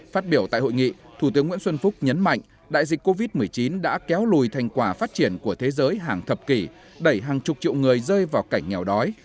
phát biểu tại hội nghị thủ tướng nguyễn xuân phúc nhấn mạnh đại dịch covid một mươi chín đã kéo lùi thành quả phát triển của thế giới hàng thập kỷ đẩy hàng chục triệu người rơi vào cảnh nghèo đói